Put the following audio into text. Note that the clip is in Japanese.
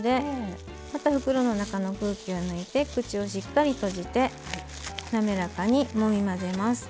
また袋の中の空気を抜いて口をしっかり閉じて滑らかにもみ混ぜます。